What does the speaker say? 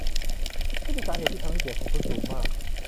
นั่นเป็นสาเหตุที่ทำให้เสียงของคุณสูงมาก